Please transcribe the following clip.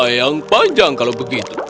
yang panjang kalau begitu